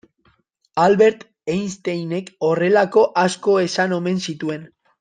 Albert Einsteinek horrelako asko esan omen zituen.